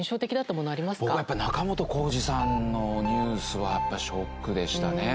僕は仲本工事さんのニュースはやっぱりショックでしたね。